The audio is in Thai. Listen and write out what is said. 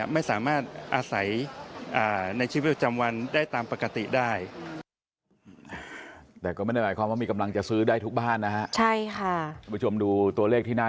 ไม่สามารถอาศัยในชีวิตประจำวันได้ตามปกติได้